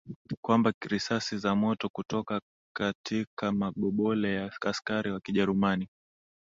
kwamba risasi za moto kutoka katika magobole ya askari wa Kijerumani